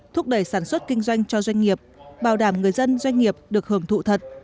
thúc đẩy sản xuất kinh doanh cho doanh nghiệp bảo đảm người dân doanh nghiệp được hưởng thụ thật